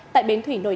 hai máy bơm nước